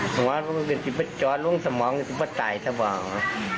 สมองมันก็จะจอลงสมองก็จะตายสมอง